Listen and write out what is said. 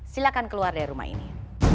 silahkan keluar dari rumah ini